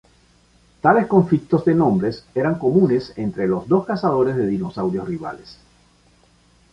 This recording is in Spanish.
Tales conflictos de nombres eran comunes entre los dos cazadores de dinosaurios rivales.